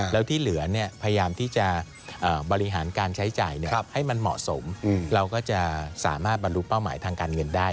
แล้วที่เหลือพยายามที่จะบริหารการใช้จ่ายให้มันเหมาะสมเราก็จะสามารถบรรลุเป้าหมายทางการเงินได้